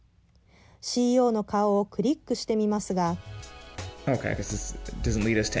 ＣＥＯの顔をクリックしてみますが。